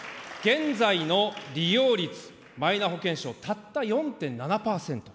現在の利用率、マイナ保険証、たった４．７％。